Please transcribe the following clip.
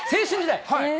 青春時代。